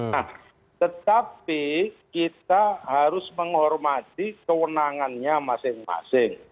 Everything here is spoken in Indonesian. nah tetapi kita harus menghormati kewenangannya masing masing